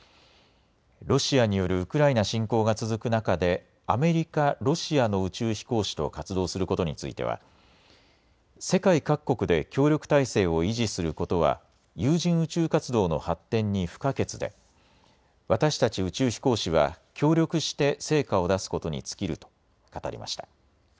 ロシアによるウクライナ侵攻が続く中でアメリカ、ロシアの宇宙飛行士と活動することについては世界各国で協力体制を維持することは有人宇宙活動の発展に不可欠で私たち宇宙飛行士は協力して成果を出すことに尽きると語りました。